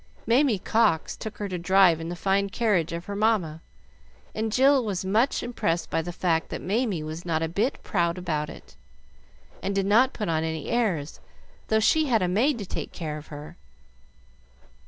Mamie Cox took her to drive in the fine carriage of her mamma, and Jill was much impressed by the fact that Mamie was not a bit proud about it, and did not put on any airs, though she had a maid to take care of her.